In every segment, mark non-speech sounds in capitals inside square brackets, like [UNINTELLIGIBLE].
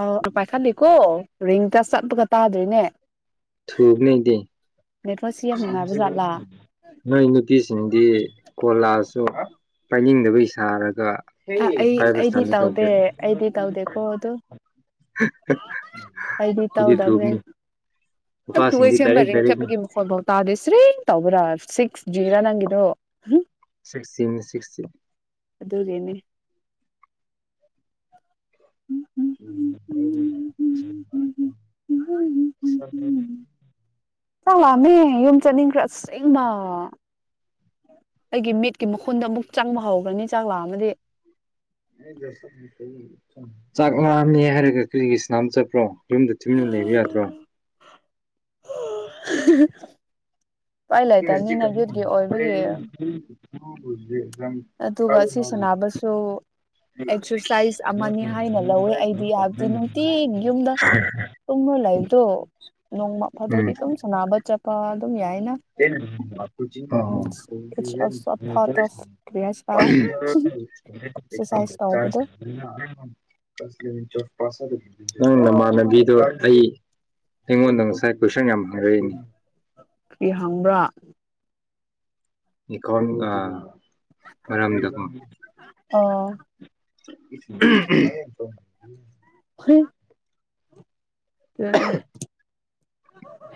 ꯑꯥ ꯄꯥꯏꯈꯠꯂꯤꯀꯣ ꯔꯤꯡꯇ ꯆꯠꯂꯒ ꯇꯥꯗꯣꯏꯅꯦ ꯊꯨꯕꯅꯗꯤ ꯅꯦꯠꯋꯥꯛꯁꯤ ꯌꯥꯝ ꯅꯨꯡꯉꯥꯏꯕ ꯖꯥꯠꯂꯥ [UNINTELLIGIBLE] ꯅꯣꯏ ꯅꯨꯄꯤꯁꯤꯡꯗꯤ ꯀꯣꯜꯂꯥꯛꯑꯁꯨ ꯄꯥꯏꯅꯤꯡꯗꯕ ꯁꯥꯔꯒ ꯑ ꯑꯩ ꯄꯥꯏꯕ ꯑꯩꯗꯤ ꯁ꯭ꯇꯥꯏꯜꯗ ꯇꯥꯎꯗꯦ ꯇꯧꯗꯦꯕ ꯑꯩꯗꯤ ꯇꯥꯎꯗꯦ ꯀꯣ ꯑꯗꯨ ꯑꯩꯗꯤ ꯇꯥꯎꯗꯕꯃꯦ ꯑꯗꯨꯝ ꯅꯨꯄꯥꯁꯤꯡꯗꯤ ꯊꯨꯁꯦꯕ ꯗꯥꯏꯔꯦꯛ ꯗꯥꯏꯔꯦꯛꯅꯤ ꯡꯆꯠꯕꯒꯤ ꯃꯈꯣꯟꯠ ꯐꯥꯎ ꯇꯥꯗꯦ ꯁꯤꯦ ꯇꯧꯕ ꯁꯤꯛꯁ ꯖꯖꯤꯔꯣ ꯅꯪ ꯁꯤꯁꯤꯅꯤ ꯁꯤꯁꯤ ꯑꯗꯨꯒꯤꯅꯤ ꯎꯝ ꯑ ꯆꯂꯃꯦ ꯌꯨꯝ ꯆꯠꯅꯤꯡꯈ꯭ꯔꯁꯦꯡꯃ ꯑꯩꯒꯤ ꯃꯤꯠꯀꯤ ꯃꯈꯨꯟꯗ ꯑꯃꯨꯛ ꯆꯪꯕ ꯍꯧꯈ꯭ꯔꯅꯤ ꯆꯥꯛ ꯂꯥꯛ ꯑꯃꯗꯤ ꯆꯥꯛ ꯃꯥꯡꯝꯃꯦ ꯍꯥꯏꯔꯒ ꯀꯔꯤꯒꯤꯁꯅꯥꯝ ꯆꯠꯄ꯭ꯔꯣ ꯌꯨꯝꯗ ꯇꯨꯃꯤꯟꯅ ꯂꯩꯕ ꯌꯥꯗ꯭ꯔꯣ ꯑꯣ ꯏꯥꯏ ꯂꯩꯇ ꯃꯤꯅ ꯌꯠꯀꯤ ꯑꯣꯏꯕꯒꯤ ꯍꯁꯦ ꯑꯗꯨꯒ ꯁꯤ ꯁꯅꯕꯁꯨ ꯑꯦꯛꯁꯔꯁꯥꯏꯁ ꯑꯃꯅꯤ ꯍꯥꯏꯅ ꯂꯧꯋꯦ ꯑꯩꯗꯤ ꯌꯥꯕꯗꯤ ꯅꯨꯡꯇꯤꯤꯟ ꯌꯨꯝꯗ ꯇꯨꯝꯅ ꯂꯥꯏꯔꯤꯛꯇꯣ ꯅꯣꯡꯃ ꯐꯗꯣꯗꯤ ꯑꯗꯨꯝ ꯁꯅꯕ ꯆꯠꯄ ꯑꯗꯨꯝ ꯌꯥꯏ ꯑꯦꯅꯦ ꯆ ꯏꯠꯁ ꯑꯣꯜꯁꯣ ꯑ ꯊꯣꯠ ꯑꯣꯐ ꯀꯔꯤ ꯍꯥꯏꯁꯤꯔ ꯑꯦꯛꯁꯔꯁꯥꯏꯁ [INAUDIBLE] ꯆ ꯇꯧꯕꯗꯣ ꯅꯪ ꯅꯃꯥꯟꯅꯕꯤꯗꯣ ꯑꯩ ꯑꯩꯉꯣꯟꯗ ꯉꯁꯥꯏ ꯀꯣꯏꯁꯟ ꯌꯥꯝ ꯑꯔꯦ ꯀꯔꯤ ꯍꯪꯕ꯭ꯔꯥ ꯏꯀꯣꯟꯝꯒ ꯃꯔꯝꯗꯀꯣ ꯑꯣ [INAUDIBLE] ꯄꯈꯣꯏ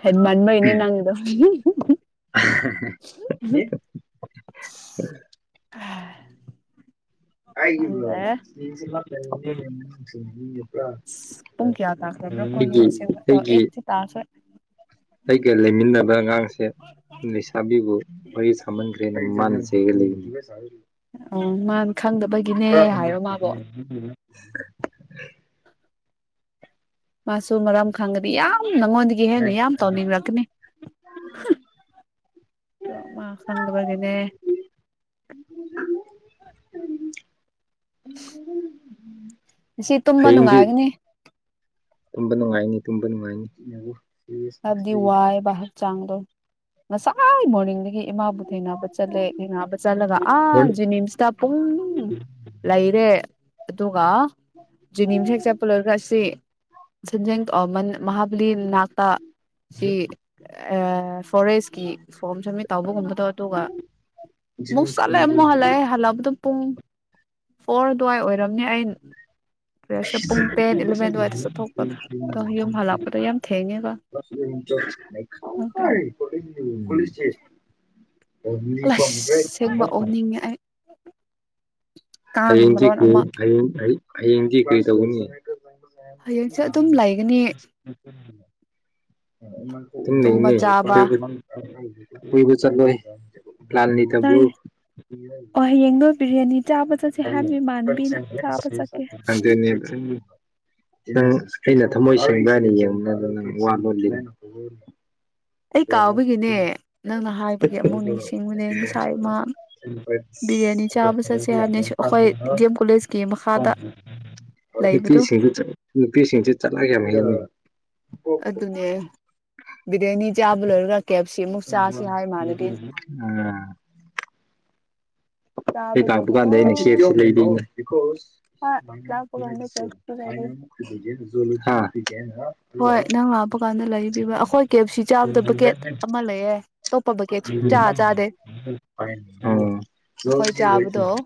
ꯍꯃꯅꯃ ꯏꯅꯦ ꯅꯪꯗꯣ [INAUDIBLE] ꯍꯥꯏꯒꯤ ꯏꯕ꯭ꯔꯣ ꯈꯪꯗ꯭ꯔꯦ ꯑꯁ ꯄꯨꯡ ꯀꯌꯥ ꯇꯥꯈ꯭ꯔꯕ꯭ꯔꯥ ꯀꯣ ꯌꯦꯡꯁꯦ ꯍꯒꯤ ꯑꯩꯠꯇꯤ ꯇꯥꯈ꯭ꯔꯦ ꯑꯩꯒ ꯂꯩꯃꯤꯟꯅꯕ ꯑꯉꯥꯡꯁꯦ ꯂꯩꯁꯥꯕꯤꯕꯨ ꯋꯥꯔꯤ ꯁꯥꯝꯃꯟꯈ꯭ꯔꯦꯅ ꯃꯥꯅ ꯁꯦꯠ ꯂꯩ ꯎꯝ ꯃꯥꯅ ꯈꯪꯗꯕꯒꯤꯅꯦ ꯍꯥꯏꯔꯣ ꯃꯥꯕꯣ ꯎ ꯃꯥꯁꯨ ꯃꯔꯔꯝ ꯈꯪꯔꯤꯌꯥ ꯅꯪꯉꯣꯟꯗꯒꯤ ꯍꯦꯟꯅ ꯌꯥꯝ ꯇꯧꯅꯤꯡꯔꯛꯀꯅꯤ ꯃꯥ ꯈꯪꯗꯕꯒꯤꯅꯦ ꯁꯤ ꯇꯨꯝꯕ ꯅꯨꯡꯉꯥꯏꯒꯅꯤ ꯇꯕ ꯅꯨꯡꯉꯥꯏꯅꯤ ꯇꯨꯝꯕ ꯅꯨꯡꯉꯥꯏꯅꯤꯕꯨ ꯑꯗꯤ ꯋꯥ ꯍꯔ ꯆꯥꯡꯂ ꯃꯁꯉ ꯃꯣꯅꯤꯡꯗꯤ ꯑꯩꯒꯤ ꯏꯃꯥꯕꯨ ꯊꯦꯡꯅꯕ ꯆꯠꯂꯦ ꯊꯦꯡꯅꯕ ꯆꯠꯂꯒ ꯑꯥ ꯖꯤꯅꯤꯝꯁꯇ ꯄꯨꯡ ꯂꯩꯥꯏꯔꯦ ꯑꯗꯨꯒ ꯖꯦꯅꯤꯝꯁ ꯍꯛꯆ ꯄꯨꯜꯂꯔꯒ ꯑꯁꯤ ꯁꯟꯖ ꯃ ꯃꯥꯕꯂꯤ ꯅꯥꯇꯥꯁꯤ ꯑ ꯐꯣꯔꯦꯁꯀꯤ ꯐꯣꯔꯝ ꯁꯔꯃꯤꯠ ꯇꯥꯎꯧꯕꯒꯨꯝꯕꯗꯣ ꯑꯗꯨꯒ ꯃꯨ ꯆꯜꯦ ꯃ ꯍꯜꯂꯥꯏ ꯍꯂꯕ ꯑꯗꯨꯝ ꯄꯨꯡ ꯐꯣꯔ ꯑꯗꯨꯋꯥꯏ ꯑꯣꯏꯔꯝꯅꯦ ꯑꯩ ꯄꯦꯁꯔ ꯄꯨꯡ ꯇꯦꯟ ꯏꯂꯚꯦꯟ ꯑꯗꯨꯋꯥꯏꯗ ꯆꯠꯊꯣꯛꯄꯗ ꯑꯗꯣ ꯌꯨꯝ ꯍꯜꯂꯛꯄꯗꯣ ꯌꯥꯝ ꯊꯦꯡꯉꯦꯕ ꯈ ꯑꯣꯀꯦ ꯀꯣ ꯈꯁꯤꯦ ꯑꯁ ꯁꯦꯡꯕ ꯑꯣꯟꯅꯤꯡꯉꯦ ꯑꯩ ꯀꯥꯡꯅ ꯍꯌꯦꯡꯗꯤ ꯃꯔꯣꯟ ꯀ ꯑꯃ ꯍꯌꯦꯡ ꯍꯌꯦꯡꯗꯤ ꯀꯔꯤ ꯇꯧꯒꯅꯤ ꯍꯌꯦꯡꯁꯦ ꯑꯗꯨꯝ ꯂꯩꯒꯅꯤ ꯇꯨꯝꯕ ꯆꯥꯕ ꯆꯂ ꯂꯥꯜꯅꯤꯗꯕ꯭ꯔꯨ ꯅꯪ ꯑꯣ ꯍꯌꯦꯡꯗꯣ ꯕꯤꯔꯌꯥꯅꯤ ꯆꯥꯕ ꯆꯠꯁꯦ ꯍꯥꯏꯕ ꯅꯤ ꯏꯃꯥꯟꯅꯕꯤꯅ ꯆꯥꯕ ꯆꯠꯀꯦ ꯅꯪ ꯑꯩꯅ ꯊꯝꯃꯣꯏ ꯁꯦꯡꯕ꯭ꯔꯅ ꯌꯦꯡꯕ ꯑꯗꯨ ꯅꯪ ꯋꯥ ꯂꯣꯜꯂꯤ ꯑꯩ ꯀꯥꯎꯕꯒꯤꯅꯦ ꯅꯪꯅ ꯍꯥꯏꯕꯒꯤ ꯑꯃꯨꯛ ꯅꯤꯡꯁꯤꯡꯉꯨꯅꯦ ꯉꯁꯥꯏꯃ ꯕꯤꯔꯌꯥꯅꯤ ꯆꯥꯕ ꯆꯠꯁꯦ ꯍꯥꯏꯅꯦ ꯑꯩꯈꯣꯏ ꯗꯤ ꯑꯦꯝ ꯀꯣꯂꯦꯖ ꯅꯨꯄꯤꯁꯤꯡꯗꯨ ꯅꯨꯄꯤꯁꯤꯡꯁꯤ ꯆꯠꯂꯒꯦ ꯑꯗꯨꯅꯦ ꯕꯤꯔꯌꯥꯅꯤ ꯆꯥꯕ ꯂꯧꯔꯒ ꯀꯦꯞꯁꯤ ꯃꯨꯛ ꯆꯁꯤ ꯍꯥꯏ ꯃꯥꯂꯒ ꯆꯥꯕꯒꯤꯗꯤꯀꯣ ꯍ ꯀꯥꯄꯀꯥꯟꯗꯅꯤꯦ ꯍꯣꯏ ꯂꯥꯛꯄ ꯂꯩ ꯀꯥꯟꯗ ꯀꯦꯛ ꯄꯤꯖꯕꯤꯌꯨ ꯃꯥꯏꯅ ꯃꯥꯏꯅ ꯈꯒꯦꯒ ꯄ ꯀꯥꯟꯗ ꯂꯩꯕꯤꯕ꯭ꯔ ꯑꯩꯈꯣꯏ ꯀꯦ ꯑꯦꯞ ꯁꯤ ꯆꯥꯕꯗ ꯕꯀꯦꯠ ꯑꯃ ꯂꯩꯌꯦꯦ ꯎ ꯑꯩꯈꯣꯏ ꯆꯥꯕꯗꯣ ꯗꯤ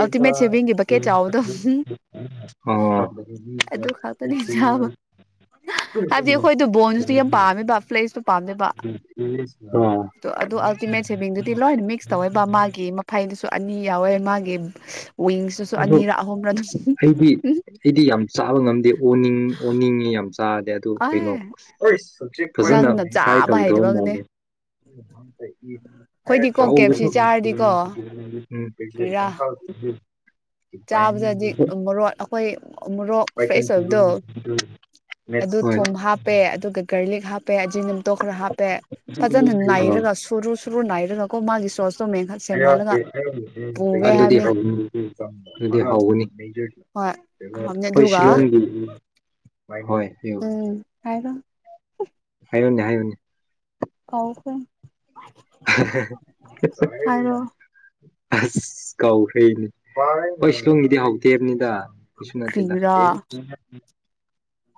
ꯑꯜꯇꯤꯃꯦꯠ ꯁꯦꯚꯤꯡꯒꯤ ꯕꯛꯀꯦꯠ ꯆꯥꯎꯕꯗꯣ ꯑꯣ ꯑꯗꯨ ꯈꯛꯇꯅꯤ ꯆꯥꯕ [UNINTELLIGIBLE] ꯍꯥꯏꯕꯗꯤ ꯑꯩꯈꯣꯏ ꯕꯣꯟꯁꯨꯁꯨ ꯌꯥꯝ ꯄꯥꯝꯃꯦ ꯕꯥꯞ ꯂꯩ ꯄꯥꯝꯗꯕ ꯑꯣ ꯑꯗꯨ ꯑꯜꯇꯤꯃꯦꯠ ꯁꯦꯚꯤꯡꯗꯨꯗꯤ ꯂꯣꯏꯅ ꯃꯤꯛꯁ ꯇꯧꯋꯦꯕ ꯃꯥꯒꯤ ꯑꯩꯅꯁꯨ ꯑꯅꯤ ꯌꯥꯎꯋꯦ ꯃꯥꯒꯤ ꯋꯤꯡꯁꯇꯨꯁꯨ ꯑꯗꯣ ꯑꯅꯤꯔ ꯑꯍꯨꯝꯔ ꯑꯗꯨꯝ ꯑꯩꯗꯤ ꯑꯩꯗꯤ ꯌꯥꯝ ꯆꯥꯕ ꯉꯝꯗꯦ ꯑꯣꯅꯤꯡ ꯑꯣꯅꯤꯡꯉꯤ ꯌꯥꯝ ꯆꯥꯗꯦ ꯑꯗꯨ ꯑꯦ ꯀꯩꯅꯣ ꯐꯖꯅ ꯅꯪꯅ ꯇ꯭ꯔꯥꯏ ꯆꯥꯕ ꯇꯧꯗꯕ ꯍꯩꯗꯕꯒꯅꯦ ꯃꯥꯜꯂꯦ ꯍ ꯑꯩꯈꯣꯏꯗꯤꯀꯣ ꯇ ꯀꯦꯞꯁꯤ ꯆꯥꯔꯗꯤꯀꯣ ꯏ [UNINTELLIGIBLE] ꯆꯥꯕꯁꯗꯤ ꯃꯣꯔꯣꯛ ꯑꯩꯈꯣꯏ ꯃꯣꯔꯣꯛ ꯐ꯭ꯔꯦꯁ ꯑꯣꯏꯕꯗꯣ ꯑꯗꯨ ꯍꯣꯏ ꯊꯣꯨꯝ ꯍꯥꯞꯄꯦ ꯑꯗꯨꯒ ꯒꯥꯔꯂꯤꯛ ꯍꯥꯞꯄꯦ ꯍꯥꯞꯄꯦꯖꯤ ꯅꯨꯃꯤꯇꯣ ꯈꯔ ꯍꯥꯞꯄꯦ ꯐꯖꯅ ꯅꯥꯏꯔꯒ ꯁꯨꯔꯨ ꯁꯨꯔꯨ ꯅꯥꯔꯒ ꯀꯣ ꯃꯥꯒꯤ ꯁꯣ ꯑꯗꯨ ꯑꯗꯨꯗꯤ ꯍꯥꯏꯕꯅꯦ ꯑꯗꯨꯗꯤ ꯍꯒꯅꯤ ꯍꯣꯏ ꯍꯥꯎꯕꯅꯦ ꯑꯩꯈꯣꯏ ꯑꯗꯨꯒ ꯁꯤꯂ ꯍꯣꯏ ꯍ ꯎꯝ ꯍꯥꯏꯔꯣ ꯍꯥꯏꯅꯦ ꯍꯥꯏꯅꯤ ꯑꯥꯎ ꯍꯣꯏ [INAUDIBLE] ꯑꯁ ꯍꯥꯏꯔꯣ ꯀꯥꯎꯈ꯭ꯔꯩꯅꯦ ꯍꯣꯏ ꯁꯤꯂꯣꯡꯒꯤꯗꯤ ꯍꯥꯎꯗꯦꯕꯅꯤꯗ ꯕꯤꯁꯅꯥꯊꯗ ꯀ꯭ꯔꯤꯒꯤꯔꯥ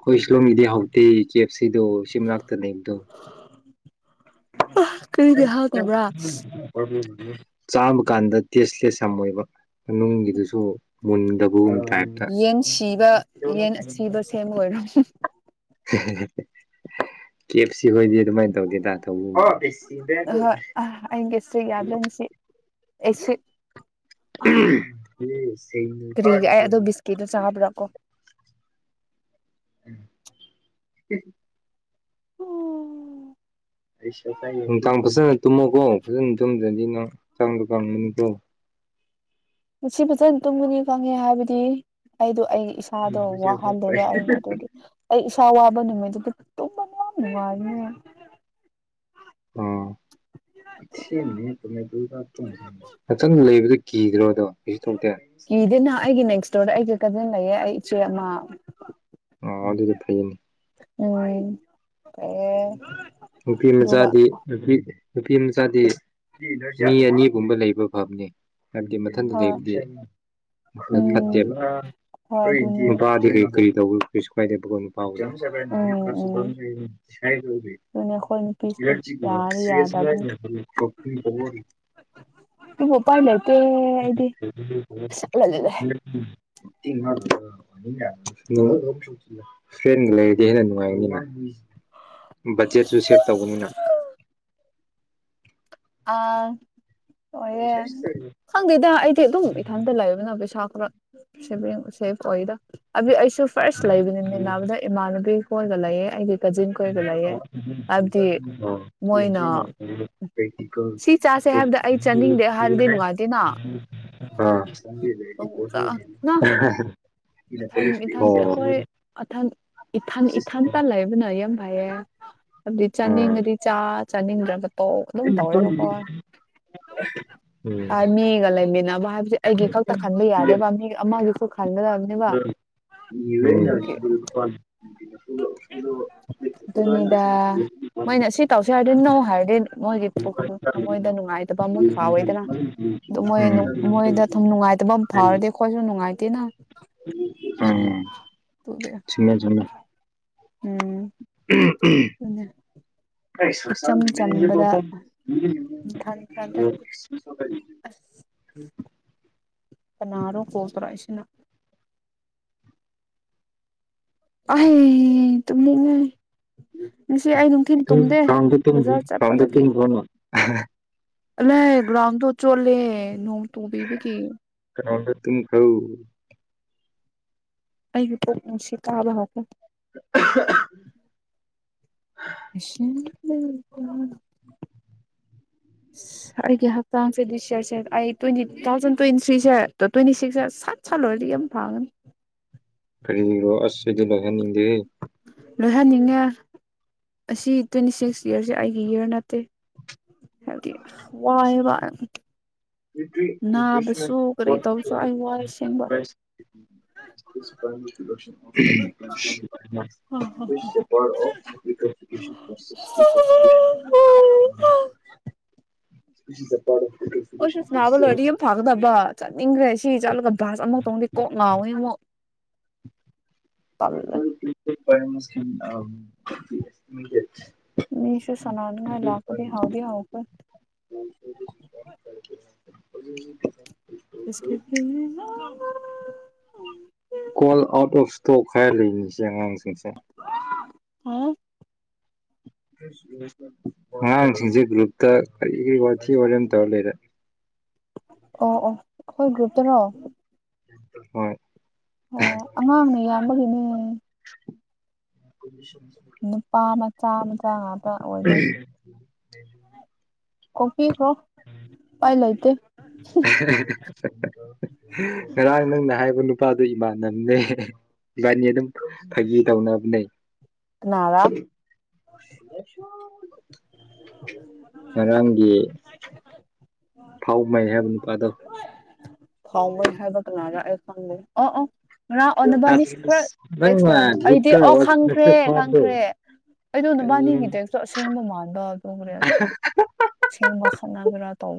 ꯍꯣꯏ ꯏ ꯏꯁꯂꯣꯝ ꯏꯗꯤ ꯍꯧꯥꯎꯇꯤ ꯀꯦ ꯑꯦꯐ ꯁꯤꯗꯣ ꯁꯤꯝꯅꯥ ꯀꯩ ꯎ ꯆꯥꯕ ꯀꯥꯟꯗ ꯇꯦꯁꯂꯦꯁ ꯌꯥꯝ ꯑꯣꯏꯕ ꯃꯅꯨꯡꯒꯤꯗꯨꯁꯨ ꯃꯨꯟꯗꯕꯒꯨꯝ ꯌꯦꯟ ꯁꯤꯕ ꯌꯦꯟ ꯑꯁꯤꯕ ꯁꯦꯝꯕ [UNINTELLIGIBLE] ꯑꯣꯏꯔꯝꯅꯤ ꯀꯐ ꯁꯤ ꯍꯗꯤ ꯍ ꯍꯒꯦꯁ ꯌꯥꯗꯁꯤ ꯑꯦꯁ ꯀꯔꯤꯒ ꯑꯣ ꯕꯤꯁꯀꯤꯠ ꯆꯥꯕ꯭ꯔꯥ ꯑꯣ ꯎꯝ ꯑꯣ ꯑꯩ ꯅꯨꯡꯗꯥꯡ ꯐꯖꯅ ꯇꯨꯝꯃꯣꯀꯣ ꯐꯖꯅ ꯇꯨꯝꯗ꯭ꯔꯗꯤ ꯅꯪꯛ ꯆꯥꯡꯗꯣ ꯀꯪꯒꯅꯤꯀꯣ ꯃꯁꯤ ꯐꯖꯅ ꯇꯨꯝꯒꯅꯤ ꯈꯪꯉꯦ ꯍꯥꯏꯕꯗꯤ ꯑꯩꯗꯣ ꯑꯩ ꯏꯁꯥꯗꯣ ꯋꯥꯍꯜꯂꯦꯕ ꯑꯩꯅ ꯑꯗꯨꯗꯤ ꯑꯩ ꯏꯁꯥ ꯅ ꯃꯗꯨ ꯇꯅꯅ ꯑꯔ ꯑꯈꯤꯇꯪ ꯂꯩꯕ ꯀꯤꯗ꯭ꯔꯣꯗꯣ ꯀꯩꯁꯨ ꯇꯧꯗꯦ ꯀꯤꯗꯅ ꯑꯩꯒꯤ ꯅꯦꯛꯁ ꯗꯣꯔꯗ ꯑꯩꯒꯤ ꯀꯖꯤꯟ ꯂꯩꯌꯦ ꯑꯩ ꯏꯆꯦ ꯑꯃ ꯑ ꯑꯗꯨ ꯑꯗꯨꯗꯤ ꯊꯩꯅꯤ ꯎ ꯑꯦ ꯅꯨꯄꯤ ꯑꯗꯨꯒ ꯃꯆꯥꯗꯤ ꯅꯨꯄꯤ ꯅꯨꯄꯤ ꯃꯆꯥꯗꯤ ꯃꯤ ꯑꯅꯤꯒꯨꯝꯕ ꯂꯩꯕ ꯐꯝꯅꯤ ꯍꯥꯏꯗꯤ ꯃꯊꯪꯗ ꯍꯣꯏ ꯎꯝ ꯍꯣꯏ ꯂꯩ ꯑꯗꯨꯅꯤ ꯀꯔꯤ ꯀꯔꯤ ꯇꯧ ꯀ ꯄꯥꯎ ꯎꯝ ꯎꯝ ꯑꯗꯨꯅꯦ ꯑꯩꯈꯣꯏ ꯅꯨꯄꯤꯁꯦ ꯏꯔꯆ ꯌꯥꯗꯤ ꯁꯤꯁ ꯌꯥꯗꯕꯅꯤ ꯄꯥꯟꯥꯏꯇ ꯏꯗꯤꯂ ꯐ꯭ꯔꯦꯟꯒ ꯂꯩꯔꯗꯤ ꯍꯦꯟꯅ ꯅꯨꯡꯉꯥꯏꯅꯤ ꯕꯖꯦꯠꯁꯨ ꯁꯦꯞ ꯇꯧꯒꯅꯤꯅ ꯑ ꯑꯣꯏꯣꯏꯌꯦꯦ ꯈꯪꯗꯦꯗ ꯑꯩꯗꯤ ꯑꯗꯨꯝ ꯏꯊꯟꯇ ꯂꯩꯕꯅ ꯄꯩꯁꯥ ꯄꯨ ꯁꯦꯐ ꯑꯣꯏꯗ ꯑꯗꯨ ꯑꯩꯁꯨ ꯐꯥꯔꯁ ꯂꯩꯕꯅꯤꯃꯤꯟꯅꯕꯗ ꯏꯃꯥꯟꯅꯕꯤ ꯀꯣꯟꯒꯂ ꯑꯦꯦ ꯃꯣꯏꯅ [INAUDIBLE] ꯁꯤ ꯆꯥꯁꯦ ꯍꯥꯏꯕꯗ ꯑꯩ ꯆꯥꯅꯤꯡꯗꯦ ꯍꯥꯏꯔꯗꯤ ꯅꯨꯡꯉꯥꯏꯇꯦꯅ [UNINTELLIGIBLE] [UNINTELLIGIBLE] ꯊꯟ ꯏꯊꯟ ꯑꯣ ꯑꯩꯈꯣꯏ ꯑꯊꯟ ꯏꯊꯟ ꯏꯊꯟ ꯇꯥꯟ ꯂꯩꯕꯅ ꯌꯥꯝ ꯐꯌꯦꯦ ꯍꯥꯏꯕꯗꯤ ꯑꯥ ꯆꯥꯅꯤꯡꯉꯗꯤ ꯆꯥ ꯆꯥꯅꯤꯡꯗ꯭ꯔꯒ ꯑꯣ ꯑꯗꯨꯝ ꯇꯧꯋꯦꯅꯣꯀꯣ ꯎꯝ ꯃꯤꯒ ꯂꯩꯃꯤꯟꯅꯕ ꯍꯥꯏꯕꯗꯤ ꯑꯩꯒꯤ ꯈꯛꯇ ꯈꯟꯕ ꯌꯥꯅꯦꯕ ꯃꯤ ꯑꯃꯒꯤ [INAUDIBLE] ꯑꯗꯨꯅꯤꯗꯥ ꯃꯣꯏꯅ ꯁꯤ ꯇꯧꯁꯦ ꯍꯥꯏꯔꯗꯤ ꯅꯣ ꯍꯥꯏꯔꯗꯤ ꯃꯣꯏꯒꯤ ꯄꯨ ꯃꯣꯏꯗ ꯅꯨꯡꯉꯥꯏꯇꯕ ꯑꯃ ꯐꯥꯎꯋꯦꯗꯅ ꯑꯗꯨ ꯃꯣꯏ ꯃꯣꯏꯗ ꯊꯨꯝ ꯅꯨꯡꯉꯥꯏꯇꯕ ꯑꯃ ꯐꯥꯎꯔꯗꯤ ꯑꯩꯈꯣꯏꯁꯨ ꯅꯨꯡꯉꯥꯏꯇꯦꯅ ꯑꯝ ꯑꯗꯨꯒꯤ ꯆꯟꯅ ꯆꯅ ꯎꯝ ꯄꯨꯅ ꯁꯁ ꯎꯝ ꯀꯅꯔꯣ ꯀꯣ ꯇꯔꯥ ꯏꯁꯤꯅ ꯑꯍ ꯇ ꯉ ꯉꯁꯤ ꯑꯩ ꯅꯨꯡꯊꯤꯜ ꯇꯨꯝ ꯇꯨꯝꯗꯦ ꯒ꯭ꯔꯥꯎꯟꯗ ꯇꯨꯝꯈꯤ ꯕꯖꯥꯔ ꯒ꯭ꯔꯥꯎꯟꯗ ꯆꯠꯄꯗꯒꯤ ꯇꯨꯝꯈ꯭ꯔꯣꯅ ꯂ ꯭ꯔꯝ ꯇ ꯆꯣꯂꯦ ꯅ ꯀꯗ ꯇꯨ ꯍ ꯑꯩꯒꯤꯄꯣꯁꯤ ꯀꯥꯕ ꯑꯁ ꯎꯝ ꯑꯩꯒꯤ ꯍꯞꯇꯥꯥꯡꯁꯦꯗꯤ ꯁꯔꯠꯁꯦ ꯑꯩ ꯇ꯭ꯋꯦꯟꯇꯤ ꯇꯨ ꯊꯥꯎꯖꯟ ꯇ꯭ꯋꯦꯟꯇꯤ ꯊ꯭ꯔꯤꯁꯦ ꯇ꯭ꯋꯦꯟꯇꯤ ꯁꯤꯛꯁꯦ ꯆꯠ ꯆꯂ ꯑꯣꯏꯔꯤ ꯌꯥꯝ ꯊꯥꯥꯡꯒꯅꯤ ꯀꯔꯤ꯭ꯔꯣ ꯑꯁꯗꯤ ꯂꯧꯍꯟꯅꯤꯡꯗꯦ ꯂꯣꯏꯍꯟꯅꯤꯡꯉꯦ ꯑꯁꯤ ꯇ꯭ꯋꯦꯟꯇꯤ ꯁꯤꯛꯁ ꯏꯌꯥꯔꯁꯦ ꯑꯩꯒꯤ ꯏꯌꯥꯔ ꯅꯠꯇꯦ ꯗꯤ ꯋꯥꯏ ꯋꯥꯏ ꯇꯧꯕꯁꯨ ꯑꯩ ꯌꯇ ꯋꯥꯏ ꯑꯁꯦꯡꯕ ꯍꯧꯁꯨ ꯃ ꯄ ꯄꯁꯤ ꯆꯦ ꯄꯔꯦ ꯍꯣꯏ ꯁꯁ ꯅꯥꯕ ꯂꯣꯏꯔꯗꯤ ꯌꯥꯝ ꯐꯥꯒꯗꯕ ꯆꯠꯅꯤꯡꯈ꯭ꯔꯦ ꯁꯤ ꯆꯠꯂꯒ ꯚꯁ ꯑꯃꯐꯧꯛꯇꯧꯗꯤ ꯀꯣꯛ ꯉꯥꯎꯋꯅꯤ ꯑꯃꯨꯛ ꯇꯜꯂꯦ ꯔꯗꯤ ꯃꯤꯅꯤꯁꯨꯣ ꯁꯂꯅꯤꯌꯥ ꯏꯥꯀꯗ ꯍꯥꯥꯎꯒ ꯑꯣꯄ ꯀꯣꯜ ꯑꯥꯎꯠ ꯑꯣꯐ ꯏꯁꯇꯣꯛ ꯍꯥꯏꯔ ꯂꯩꯅꯤꯁꯦ ꯑꯉꯥꯡꯁꯤꯡꯁꯦ ꯑꯣ ꯑꯉꯥꯡꯁꯤꯡꯁꯦ ꯒ꯭ꯔꯨꯞꯇ ꯀ ꯒꯔꯤ ꯋꯥꯁꯤ ꯑꯣꯏꯝ ꯇꯍꯦ ꯏꯔ ꯑꯣ ꯑꯣ ꯑꯩꯈꯣꯏ ꯒ꯭ꯔꯨꯞꯇꯅꯣ ꯍꯣꯏ ꯑꯣ ꯑꯉꯥꯡꯅ ꯌꯥꯝꯌꯥꯝꯕꯒꯤꯅꯦ ꯀ ꯅꯨꯄꯥ ꯃꯆꯥ ꯃꯆꯥ ꯉꯥꯛꯇ ꯑꯣꯏꯗꯣꯏ ꯑꯩ ꯀꯣꯀꯤ ꯍ꯭ꯔꯣ ꯄꯥꯏ ꯂꯩ ꯂꯩꯇ ꯁꯔ ꯏ ꯅꯍꯥꯏꯕꯨꯅꯨ ꯏꯄꯥꯗꯣ ꯏꯃꯥꯟꯅꯕꯅꯦ ꯏꯕꯥꯅꯤ ꯑꯗꯨꯝ ꯐꯥꯒꯤ ꯇꯧꯅꯕꯅꯦ ꯀꯅꯥꯔꯥ [INAUDIBLE] ꯉꯔꯥꯡꯒꯤ ꯐꯥꯎ ꯃꯩ ꯍꯥꯏꯕ ꯅꯨꯄꯥꯗꯣ ꯊꯥꯎ ꯍꯥꯏꯕꯅꯔ ꯑꯦ ꯁꯝꯦ ꯑ ꯑ ꯉ ꯑꯁ ꯑꯣꯅꯕꯥꯅꯤꯁ ꯈꯔ ꯇꯦꯛ ꯑꯩꯗꯤ ꯑꯈꯥꯡ ꯊꯗ ꯑꯩꯗꯣ ꯅꯨꯕꯥꯅꯤꯒꯤꯗꯁꯨ ꯑꯁꯦꯡꯕ ꯃꯥꯟꯕ ꯑꯗꯨꯒꯈ꯭ꯔꯦ ꯑꯁꯦꯡꯕ ꯈꯠꯅꯒ꯭ꯔꯥ ꯇꯧ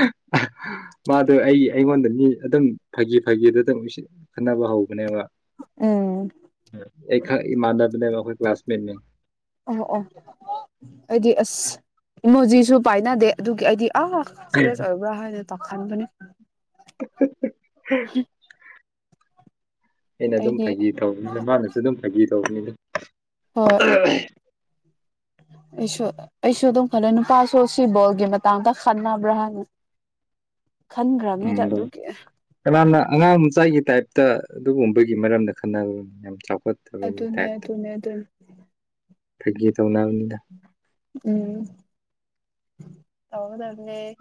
[INAUDIBLE] ꯃꯥꯗ ꯑꯩ ꯑꯩꯉꯣꯟꯗ ꯃꯤ ꯑꯗꯨꯝ ꯐꯥꯒꯤ ꯐꯥꯒꯤꯗꯨ ꯑꯗꯨꯝꯁꯤ ꯈꯠꯅꯕ ꯍꯧꯕꯅꯦꯕ ꯎꯝ ꯑꯩ ꯈ ꯏꯃꯥꯟꯗꯅꯦꯣꯏ ꯀ ꯀ꯭ꯂꯥꯁꯃꯦꯠꯅꯦ ꯑꯣ ꯑꯣ ꯑꯩꯗꯤ ꯑꯁ ꯏꯃꯣꯖꯤꯁꯨ ꯄꯥꯏꯅꯗꯦ ꯑꯗꯨꯒꯤ ꯑꯩꯗꯤ ꯑ ꯆꯔꯤꯖ ꯑꯣꯏꯕꯥ ꯍꯥꯏ ꯇ ꯈꯥꯟꯒ ꯑꯩꯅ ꯑꯗꯨꯝ ꯐꯥꯒꯤ ꯇꯧꯕꯅꯤꯅ ꯃꯥꯅꯁꯨ ꯑꯗꯨꯝ ꯐꯥꯒꯤ ꯇꯧꯕꯅꯤꯅ ꯍꯣꯏ ꯑꯩꯁꯨ ꯑꯩꯁꯨ ꯑꯗꯨꯝ ꯈꯜꯂ ꯅꯨꯄꯥꯁꯨ ꯁꯤꯕꯣꯜꯒꯤ ꯃꯇꯥꯡꯗ ꯈꯟꯅꯕ꯭ꯔꯥ ꯍꯥꯏꯅ [INAUDIBLE] ꯈꯟꯈ꯭ꯔꯕꯅꯤꯗ ꯎꯗ ꯑꯗꯨꯒꯤ ꯀꯅꯥꯅ ꯑꯉꯥꯡ ꯑꯃ ꯆꯥꯏꯒꯤ ꯇꯥꯏꯞ ꯇ ꯑꯗꯨꯒꯨꯝꯕꯒꯤ ꯃꯔꯝꯗ ꯈꯟꯅ ꯌꯥꯝ ꯆꯥꯎꯈꯠ ꯐꯠꯇ ꯑꯗꯨꯅꯦ ꯇꯥꯏꯇ ꯑꯗꯨꯅꯦ ꯑꯗꯨꯅꯦ ꯎ ꯍꯥꯎꯗꯗꯦ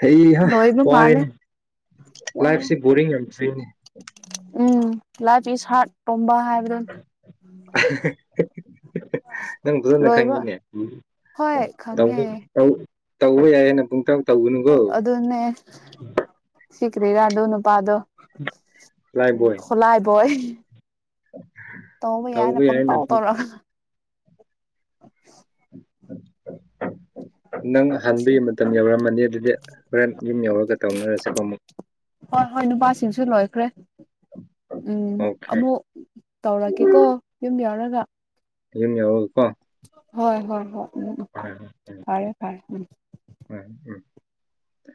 ꯍ ꯍꯥ ꯂꯣꯏꯕ ꯃꯥꯜꯂꯦ ꯋꯥꯔꯦꯅꯦ ꯋꯥꯔꯦ ꯂꯥꯏꯐꯁꯤ ꯕꯔꯤꯔꯤ ꯎꯝ ꯂꯥꯠꯒꯤ ꯁꯥꯔꯠ ꯇꯣꯝꯕ ꯍꯥꯏꯕꯗꯨ ꯅꯪ ꯨꯅ ꯈꯪꯉꯤꯅꯦ ꯍꯣꯏ ꯈꯪꯉꯦ ꯇꯧꯕ ꯌꯥꯏꯑꯅ ꯄꯨꯡꯇ ꯑꯗꯨꯅꯦ ꯁꯤꯈꯔꯤꯔ ꯑꯗꯨꯣ ꯅꯨꯄꯥꯗꯣ ꯂꯥꯏꯐ ꯎ ꯕꯣꯏ ꯈꯣꯂꯥꯏꯕꯣꯏ ꯇꯧꯕ ꯌꯥꯏꯅ ꯄꯨꯡ ꯇꯧ ꯇꯧꯔ ꯎ ꯅꯪ ꯍꯥꯡꯗꯒꯤ ꯃꯇꯝ ꯌꯧꯔꯝꯃꯅꯤ ꯑꯗꯨꯗꯤ ꯍꯣꯔꯦꯟ ꯌꯨꯝ ꯌꯧꯔꯒ ꯇꯧꯅꯔꯁꯤꯀꯣ ꯑꯃꯨꯛ ꯍꯣꯏ ꯍꯣꯏ ꯅꯨꯄꯥꯁꯤꯡꯁꯨ ꯂꯣꯏꯈ꯭ꯔꯦ ꯎꯝ ꯑꯣꯀꯦ ꯑꯃꯨꯛ ꯇꯧꯔꯛꯀꯦꯀꯣ ꯌꯨꯝ ꯌꯥꯎꯔꯒ ꯌꯦꯃꯤ ꯌꯥ ꯍꯒ ꯄ ꯍꯣꯏ ꯍꯣꯏ ꯍꯣꯏ ꯎꯝ ꯎ ꯍꯣꯏ ꯎꯝ ꯐꯔꯦ ꯐꯔꯦ ꯎꯝ ꯇ